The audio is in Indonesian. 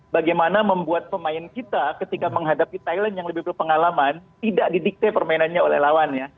bagaimana membuat pemain kita ketika menghadapi thailand yang lebih berpengalaman tidak didikte permainannya oleh lawannya